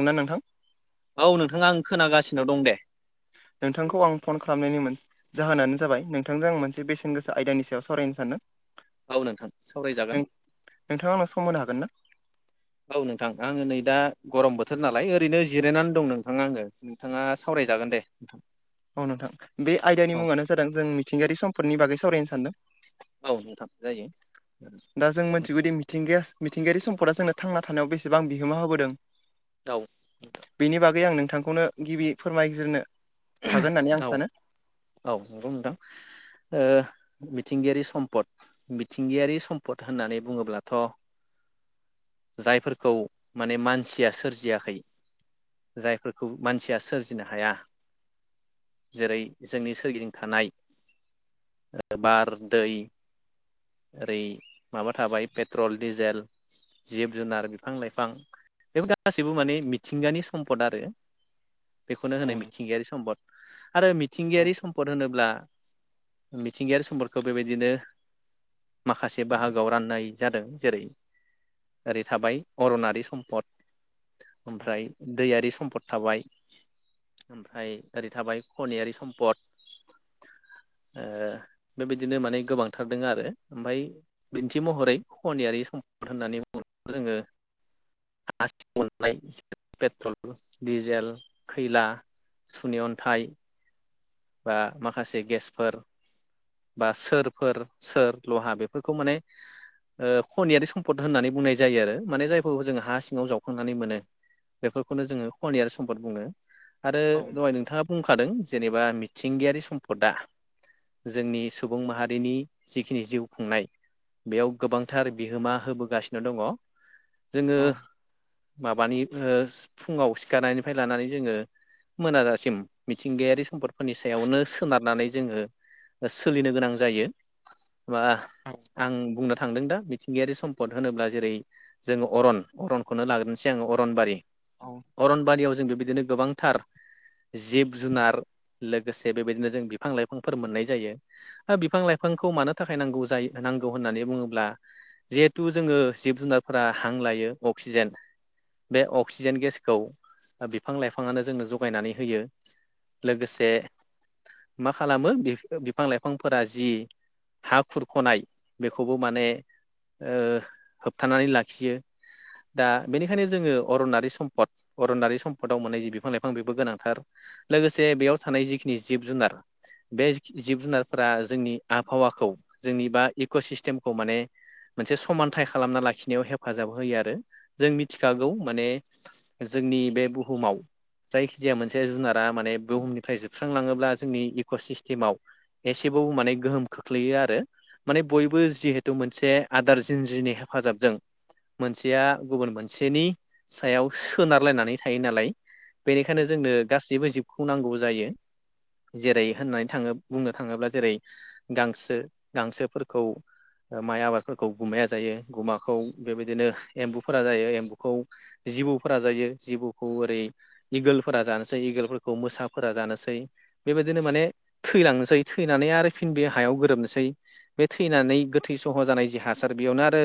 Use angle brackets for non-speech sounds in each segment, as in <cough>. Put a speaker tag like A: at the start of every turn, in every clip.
A: नंना नोंथां
B: औ नोंथाङा आं खोनागासिनो दं दे
A: नोंथांखौ आं फन खालामनायनिमोन जाहोनानो जाबाय नोंथांजों आं मोनसे बेसेन गोसा आयदानि सायाव सावरायनो सानो
B: औ नोंथां सावरायजागोन
A: नोंथा आंनो सम होनो हागोनना?
B: औ नोंथां आङो नै दा गरम बोथोर नालाय ओरैनो जिरायनानै दं नोंथाङा आङो नोंथाङा सावरायजागोन दे नोंथां
A: औ नोंथां बे आयदानि
B: औ
A: मुङानो जादों जों मिथिंगायारि सम्फदनि बागै सावरायनो सानदों
B: औ नोंथां जायो
A: दा जों मिथिगौदि मिथिंगाया मिथिंगायारि सम्पदा जोंनो थांना थानायाव बेसेबां बिहोमा होबोदों
B: दाव
A: बेनि बागै आं नोंथांखौनो गिबि फोरमायग्रोनो हागोन होननानै
B: औ
A: आं सानो
B: औ नंगौ दां ओ मिथिंगायारि सम्पद मिथिंगायारि सम्पद होननानै बुङोब्लाथ' जायफोरखौ माने मानसिया सोरजियाखै जायफोरखौ मानसिया सोरजिनो हाया जेरै जोंनि सोरगिदिं थानाय बार दै ओरै माबा थाबाय पेट्रल डिजेल जिब जुनार बिफां लाइफां बेफोर गासैबो माने मिथिंगानि सम्पद आरो बेखौनो
A: औ
B: होनो मिथिंगायारि सम्पद आरो
A: औ
B: मिथिंगायारि सम्पद होनोब्ला मिथिंगायारि सम्पदखौ बेबायदिनो माखासे बाहागोआव राननाय जादों जेरै ओरै थाबाय अरनारि सम्पद ओमफ्राय दैयारि सम्पद थाबाय ओमफ्राय ओरै थाबाय खनियारि सम्पद ओ बेबायदिनो माने गोबांथार दों आरो ओमफ्राय बिदिन्थि महरै खनियारि सम्पद होननानै बुङोब्ला जोङो हासिंआव मोननाय पेट्रल, डिजेल, खैला सुनै अन्थाइ बा माखासे गेसफोर बा सोरफोर सोर लहा बेफोरखौ माने ओ खनियारि सम्पद होननानै बुंनाय जायो आरो माने जायखौ जोङो हा सिङाव जावखांनानै मोनो। बेफोरखौनो जोङो खनियारि सम्पद बुङो आरो
A: औ
B: दहाय नोंथाङा बुंखादों जेनेबा मि थिंगायारि सम्पदआ जोंनि सुबुं माहारिनि जिखिनि जिउ खुंनाय बेयाव गोबांथार बिहोमा होबोगासिनो दङ जोङो माबानि ओ फुङाव सिखारनायनिफ्राय लानानै जोङो मोनाजासिम मिथिंगायारि सम्पद फोरनि सायावनो सोनारनानै जोङो सोलिनो गोनां जायो। बा आं बुंनो थांदों दा मिथिंगायारि सम पद होनोब्ला जेरै जोङो अरन अरनखौनो लाग्रोनोसै आङो अरनबारि
A: औ
B: अरनबारियाव जों बेबायदिनो गोबांथार जिब जुनार लोगोसे बेबायदिनो जों बिफां लाइफांफोर मोननाय जायो। ओ बिफां लाइफांखौ मानो थाखाय नांगौ जायो नांगौ होननानै बुङोब्ला जिहेथु जोङो जिब जुनारफोरा हां लायो अक्सिजेन बे अक्सिजेन गेसखौ बिफां लाइफाङानो जोंनो जगायनानै होयो। लोगोसे मा खालामो बिफ बिफां लाइफांफोरा जि हा खुरख'नाय बेखौबो माने ओ होबथानानै लाखियो दा बेनिखायनो जोङो अरनारि सम्पद अरनारि सम्पदाव मोननाय जि बिफां लाइफां बेबो गोनांथार लोगोसे बेयाव थानाय जिखिनि जिब जुनार बे जिब जुनारफोरा जोंनि आबहावाखौ जोंनि बा इक' सिस्टेमखौ माने मोनसे समानथाइ खालामना लाखिनायाव हेफाजाब होयो आरो जों मिथिखागौ माने जोंनि बे बुहुमाव जायखिजाया मोनसे जुनारा माने बुहुमनि फ्राय जोबस्रांलाङोब्ला जोंनि इक' सिस्टेमाव एसेबाबो माने गोहोम खोख्लैयो आरो। माने बयबो जिहेथु मोनसे आदार जिनज्रिनि हेफाजाबजों मोनसेया गुबुन मोनसेनि सायाव सोनारलायनानै थायो नालाय। बेनिखायनो जोंनो गासैबो जिबखौ नांगौ जायो। जेरै होननानै थाङो बुंनो थाङोब्ला जेरै गांसो गांसोफोरखौ ओ माइ आबादफोरखौ गुमाया जायो गुमाखौ बेबायदिनो एम्बुफोरा जायो एम्बुखौ जिबौफोरा जायो जिबौखौ ओरै इगोलफोरा जानोसै इगोलफोरखौ मोसा फोरख जानोसै बेबायदिनो माने थैलांनोसै थैनानै आरो फिन बे हायाव गोरोबनोसै। बे थैनानै गोथै सह' जानाय जि हासार बेयावनो आरो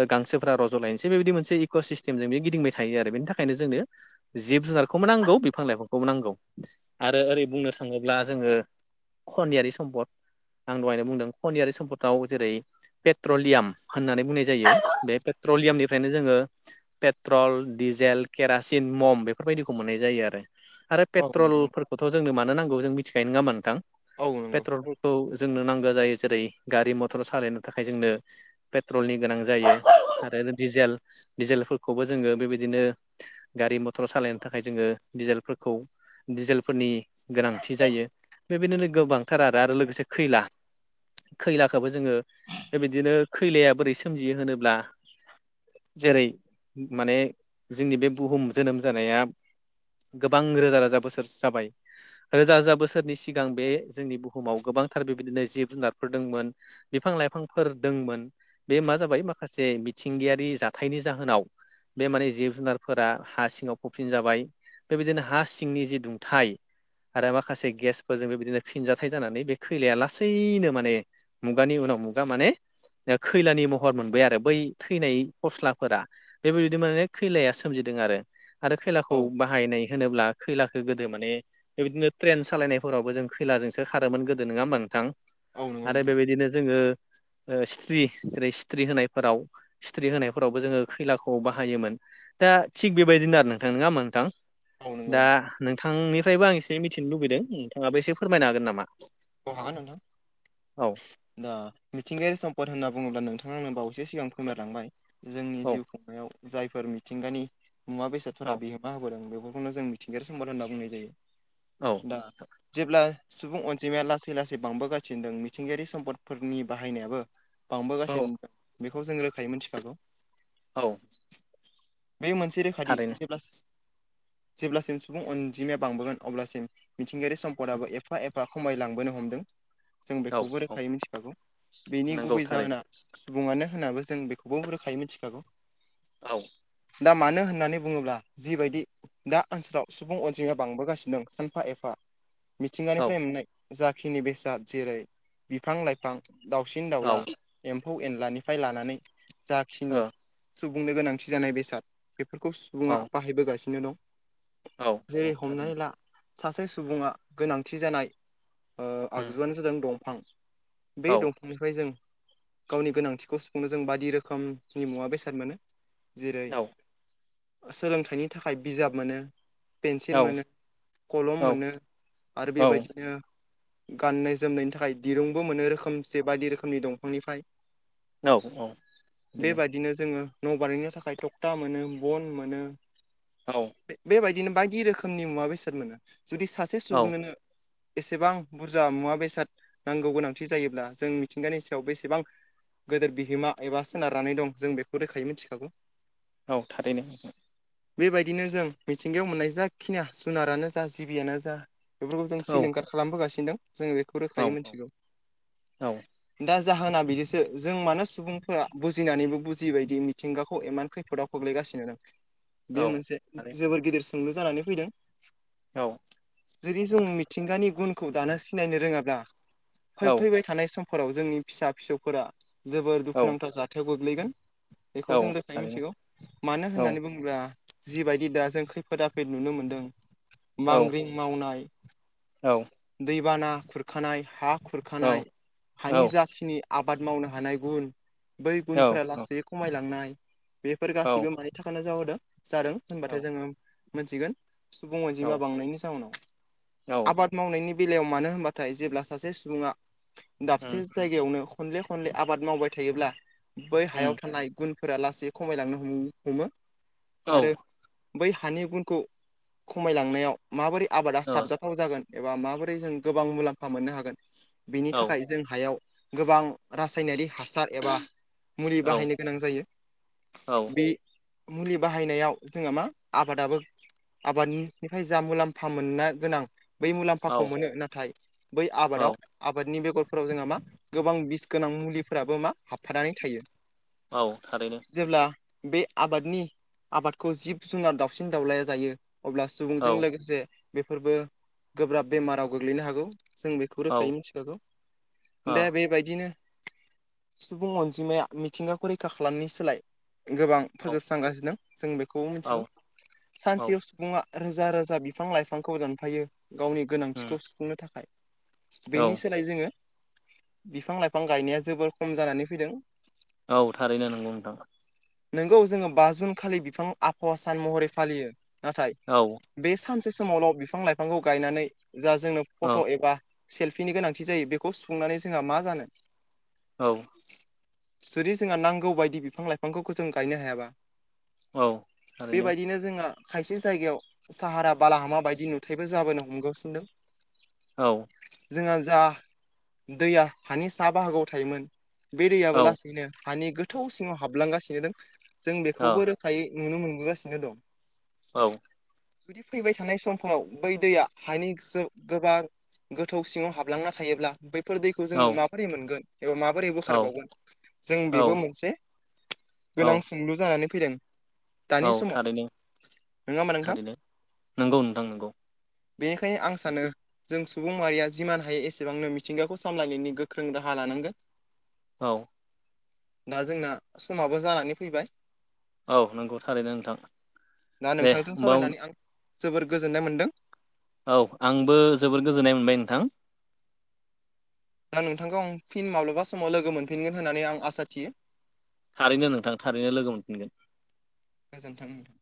B: ओ गांसोफ्रा रज' लायनोसै बेबायदि मोनसे इक' सिस्टेमजों बे गिदिंबाय थायो आरो बेनि थाखायनो जोंनो जिब जुनारखौबो नांगौ बिफां लाइफांखौबो नांगौ आरो ओरै बुंनो थाङोब्ला जोङो खनियारि सम्पद आं दहायनो बुंदों खनियारि सम्पदाव जेरै पेट्रलियाम होननानै बुंनाय जायो बे पेट्रलियामनिफ्रायनो जोङो पेट्रल, डिजेल, केरासिन, मम बेफोरबायदिखौ मोननाय जायो आरो। आरो
A: औ नंगौ
B: पेट्रलफोरखौथ' जोंनो मानो नांगौ जों मिथिखायो नोङा होमबा नोंथां।
A: औ नंगौ
B: पेट्रल खौ जोंनो नांगो जायो जेरै गारि मथर सालायनो थाखाय जोंनो पेट्रलनि गोनां जायो। <unintelligible> डिजेल डिजेलफोरखौबो जोङो बेबायदिनो गारि मथर सालायनो थाखाय जोङो डिजेलफोरखौ डिजेलफोरनि गोनांथि जायो बेबायदिनो गोबांथार आरो आरो लोगोसे खैला खैलाखोबो जोङो बेबायदिनो खैलाया बोरै सोमजियो होनोब्ला जेरै माने जोंनि बे बुहुम जोनोम जानाया गोबां रोजा रोजा बोसोर जाबाय। रोजा रोजा बोसोरनि सिगां बे जोंनि बुहुमाव गोबांथार बेबायदिनो जिब जुनारफोर दोंमोन। बिफां लाइफांफोर दोंमोन बे मा जाबाय माखासे मिथिंगायारि जाथायनि जाहोनाव बे माने जिब जुनारफोरा हा सिङाव फबसिन जाबाय बेबायदिनो हा सि सिंनि जे दुंथाय आरो माखासे गेसफोरजों बिदिनो फिनजाथाइ जानानै बे खैलाया लासैनो माने मुगानि उनाव मुगा माने दा खैलानि महर मोनबाय आरो बै थैनाय फस्लाफोरा। बेबायदिनो माने खैलाया सोमजिदों आरो आरो खैलाखौ
A: औ
B: बाहायनाय होनोब्ला खैलाखो गोदो माने बेबादिनो ट्रेन सालायनायफोरावबो जों खैलाजोंसो खारोमोन गोदो नोङा होमबा नोंथां?
A: औ नंगौ
B: आरो
A: नोंथां
B: बेबादिनो जोङो ओ स्थ्रि जेरै स्थ्रि होनायफोराव स्थ्रि होनायफोरावबो जोङो खैलाखौ बाहायोमोन। दा थिग बेबायदिनो आरो नोंथां नङा होमा नोंथां?
A: औ नंगौ
B: दा नोंथांनिफ्रायबो आं एसे मिथिनो लुबैदों नोंथाङाबो एसे फोरमायनो हागोन नामा?
A: अ हागोन नोंथां।
B: औ
A: दा मिथिंगायारि सम्पद होन्ना बुङोब्ला नोंथाङा आंनो बावैसो सिगां फोरमायलांबाय। जोंनि
B: औ
A: जिउ खुंनायाव जायफोर मिथिंगानि मुवा बेसादफोरा
B: औ
A: बिहोमा होबोदों बे खौनो जों मिथिंगायारि सम्पद होनना बुंनाय जायो
B: औ
A: दा जेब्ला सुबुं अन जिमाया लासै लासै बांबोगासिनो दों मिथिंगायारि सम्दफोरनि बाहायनायाबो
B: औ
A: बांबोगासिनो बेखौ जों रोखायै मिन्थिखागौ।
B: औ
A: बे मोनसे रोखादि
B: थारैनो
A: जेब्लास जेब्लासिम सुबुं अनजिमाया बांबोगोन अब्लासिम मिथिंगायारि सम्पदाबो एफा एफ फा खमायलांबोनो हमदों जों
B: औ
A: बेखौबो
B: औ
A: रोखायै मिथिखागौ बेनि
B: नंगौ
A: गुबै
B: थारैनो
A: जाहोना सुबुङानो होनाबो जों बेखौबो रोखायै मिथिखागौ।
B: आव
A: दा मानो होननानै बुङोब्ला जिबायदि दा ओनसोलाव सुबुं अनजिमाया बांबोगासि दों सानफा एफा मिथिंगा
B: औ
A: फ्रेमनाय जाखिनि बेसाद जेरै बिफां लाइफां दाउसिन दाउला एम्फौ एनलानिफाय लानानै जाखिनि
B: ओ
A: सुबुंनो गोनांथि जानाय बेसाद बेफोरखौ सुबुङा
B: औ
A: बाहायबोगासिनो दं।
B: औ औ
A: जेरै हमनानै
B: थारैनो
A: ला सासे सुबुङा गोनांथि जानाय ओ
B: उम
A: आगजुआनो जादों दंफां बे
B: औ
A: दं फांनिफ्राय जों गावनि गोनांथिखौ सुफुंनो जों बादि रोखोमनि मुवा बेसाद मोनो। जेरै
B: औ
A: सोलोंथाइनि थाखाय बिजाब मोनो।
B: औ
A: पेन्सिल मोनो
B: औ
A: कलम मोनो आरो
B: औ
A: बेबायदिनो गाननाय जोमनायनि थाखाय दिरुंबो मोनो रोखोमसे बायदि रोखोमनि दंफांनिफ्राय।
B: औ औ बिदिनो
A: बेबायदिनो जोङो न' बानायनो थाखाय तकता मोनो बन मोनो।
B: औ
A: बेबायदिनो बायदि रोखोमनि मुवा बेसाद मोनो जुदि सासे
B: औ
A: सुबुंनोनो एसेबां बुरजा मुवा बेसाद नांगौ गोनांथि जायोब्ला जों मिथिंगानि सायाव बेसेबां गोदोर बिहोमा एबा सोनारनानै दं जों बेखौ रोखायै मिथिखागौ।
B: औ थारैनो।
A: बेबायदिनो जों मिथिंगायाव मोननाय जाखिनिया जुनारानो जा जिबियानो जा बेफोरखौ जों
B: औ
A: सिलिंखार खालामबोगासिनो दों जोङो बेखौ
B: औ
A: रोखायै मिथिगौ
B: औ
A: <inaudible> दा जाहोना बिदिसो जों मानो सुबुंफोरा बुजिनानैबो बुजियिबादि मिथिंगाखौ एमान खैफोदाव <unintelligible>
B: <inaudible>
A: बे मोनसे
B: थारै
A: जोबोर गिदिर सोंलु जानानै फैदों।
B: औ
A: जुदि जों मिथिंगानि गुनखौ दानो सिनायनो रोङाब्ला फै
B: औ
A: फैबाय थानाय समफोराव जोंनि फिसा फिसौफोरा जोबोर दुखुनांथाव जाथायाव गोग्लैगोन
B: औ
A: बेखौ जों रोखायै
B: थारैनो
A: मिथिगौ मानो
B: औ
A: होननानै बुङोब्ला जिबायदि दा जों खैफोद आफोद नुनो मोनदों
B: औ
A: मांग्रिं मावनाय
B: औ
A: दैबाना खुरखानाय हा
B: औ
A: खुरखानाय
B: औ
A: हानि
B: औ
A: जाखिनि आबाद मावनो हानाय गुन बै गुनफोरा लासै खमायलांनाय बेफोर गासैबो मानि थाखायनो जाहोदों जादों होनबाथाय जोङो मोनथिगोन सुबुं अनजिमा बांनायनि जाहनाव
B: औ
A: आबाद मावनायनि बेलायाव मानो होनबाथाय जेब्ला सासे सुबुङा
B: उम
A: दाबसे जायगायावनो खनले खनले आबाद मावबाय थायोब्ला बै हायाव
B: उम
A: थानाय गुनफोरा लासै खमायलांनो हम-हमो
B: औ
A: आरो बै हानि गुनखौ खमायलांनायाव माबोरै आबादा
B: ओ
A: साबजा थाव जागोन एबा माबोरै जों गोबां मुलाम्फा मोननो हागोन बिनि
B: औ
A: थाखाय जों हायाव गोबां रासायनारि हासार एबा मुलि
B: औ
A: बाहायनो गोनां जायो
B: औ
A: बे मुलि बाहायनायाव जोङो मा आबादाबो आबादनिफ्राय जा मुलाम्फा मोननो गोनां बै मुलाम्फाखौ
B: औ
A: मोनो नाथाय बै
B: औ
A: आबादाव आबादनि बेगरफोराव जोंहा मा गोबां बिस गोनां मुलिफोराबो मा हाबफानानै थायो।
B: औ थारैनो
A: जेब्ला बे आबादनि आबादखौ जिब-जुनार दावउसिन-दाउलाया जायो अब्ला सुबुं
B: औ
A: जों लोगोसे बेफोरबो गोब्राब बेमाराव गोग्लैनो हागौ जों बे खौ
B: औ ओ
A: रोखायै मिथिखागौ
B: औ
A: दा बेबायदिनो सुबुं अनजिमाया मिथिंगाखौ रैखा खालामनायनि सोलाय गोबां फोजोबस्रांगासिनो जों बेखौबो
B: औ
A: मिथिगौ
B: औ
A: सानसेयाव सुबुङा रोजा रोजा बिफां-लाइफांखौ दानफायो गावनि
B: उम
A: गोनांथिखौ सुफुंनो थाखाय
B: औ
A: बेनि सो नाय जोङो बिफां-लाइफां गायनाया जोबोर खम जानानै फैदों।
B: औ थारैनो नंगौ नोंथां
A: नोंगौ जोङो बा जुन खालि बिफां आबहावा सान महरै फालियो। नाथाय
B: औ
A: बे सानसे समावल' बिफां-लाइफांखौ गायनानै जा जोंनो फट'
B: ओ
A: एबा सेल्फिनि गोनांथि जायो बेखौ सुफुंनानै जोंहा मा जानो।
B: औ
A: जुदि जोंहा नांगौ बायदि बिफां-लाइफांखौफोरखौ जों गायनो हायाबा
B: औ थारैनो
A: बेबायदिनो जोंहा खायसे जायगायाव साहारा बालाहामा बायदि नुथायबो जाबोनो हमगासिनों दं।
B: औ
A: जोंहा जा दैया हानि सा बाहागोआव थायोमोन। बे
B: औ
A: दैयोबो
B: ओ
A: लासैनो हानि गोथौ सिङाव हाबलांगासिनो दं जों
B: औ
A: बेखौबो रो खायै नुनो मोनबोगासिनो दं।
B: औ
A: जुदि फैबाय थानाय समफोराव बै दैया हानि गो-गोबां गोथौ सिङाव हाबलांना थायोब्ला बैफोर दैखौ
B: औ
A: जोङो माबोरै मोनगोन एबा माबोरै बोखारबावगोन जों
B: औ
A: बेबो मोनसे गोनां
B: औ
A: सोंलु जानानै फैदों।
B: औ
A: दानि समाव
B: थारैनो
A: नङा होमबा नोंथां
B: थारैनो नंगौ नोंथां नोंगौ
A: बेनिखायनो आं सानो जों सुबुं माहारिया जिमान हायो एसेबांनो मिथिंगाखौ सामलायनायनि गोख्रों राहा लानांगोन।
B: औ
A: दा जोंना समाबो जानानै फैबाय
B: औ नंगौ थारैनो नोंथां
A: दा
B: दे
A: नोंथांजों
B: होमबा
A: सावरायनानै आं जोबोर गोजोननाय मोनदों
B: औ आंबो जोबोर गोजोननाय मोनबाय नोंथां
A: ना नोंथांखौ आं फिन माब्लाबा समाव लोगो मोनफिनगोन होननानै आं आसा थियो
B: थारैनो नोंथां थारैनो लोगो मोनफिनगोन
A: गोजोन्थों